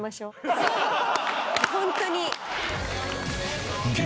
ホントに。